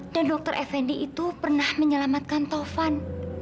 dan dokter fnd itu pernah menyelamatkan tovan